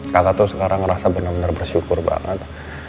kakak tuh sekarang ngerasa bener bener bersyukur banget